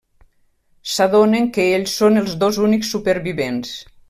S'adonen que ells són els dos únics supervivents.